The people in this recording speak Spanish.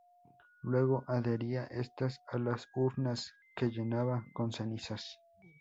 Luego, adhería estas a las urnas que llenaba con cenizas.